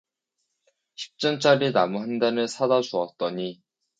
십 전짜리 나무 한 단을 사다 주었더니